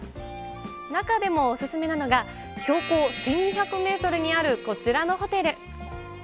中でもお勧めなのが、標高１２００メートルにあるこちらのホテル。